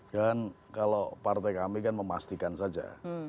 dan kalau partai kami kan memastikan saja